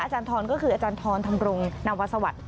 อาจารย์ทรก็คืออาจารย์ทรธรรมรงนาวสวัสดิ์